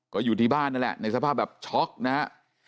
ก็อยู่ที่บ้านนั่นแหละในสภาพแบบช็อกนะฮะ